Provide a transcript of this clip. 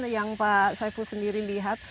yang pak saiful sendiri lihat